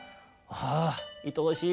ああいとおしい。